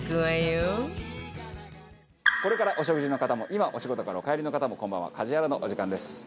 これからお食事の方も今お仕事からお帰りの方もこんばんは『家事ヤロウ！！！』のお時間です。